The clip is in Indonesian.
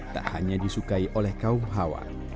tak hanya disukai oleh kaum hawa